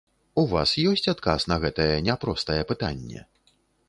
У вас ёсць адказ на гэтае няпростае пытанне?